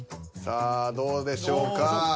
さあどうでしょうか？